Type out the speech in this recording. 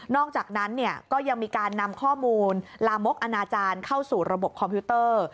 อกจากนั้นก็ยังมีการนำข้อมูลลามกอนาจารย์เข้าสู่ระบบคอมพิวเตอร์